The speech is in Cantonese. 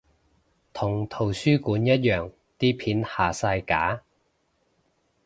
同圖書館一樣啲片下晒架？